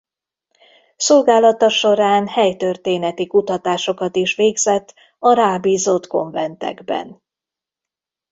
Szolgálata során helytörténeti kutatásokat is végzett a rábízott konventekben.